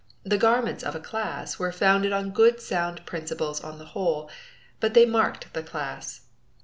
The garments of a class were founded on good sound principles on the whole but they marked the class.